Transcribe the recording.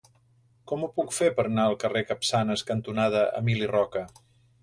Com ho puc fer per anar al carrer Capçanes cantonada Emili Roca?